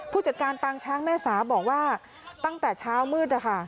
ผู้จัดการปางช้างแม่สาบอกว่าตั้งแต่เช้ามืดนะคะ